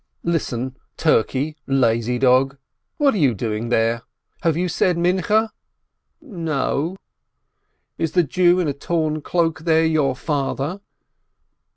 "Listen, turkey, lazy dog ! What are you doing there ? Have you said Minchah?" "N no ..." "Is the Jew in a torn cloak there your father?"